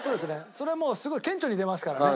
それもうすごい顕著に出ますからね。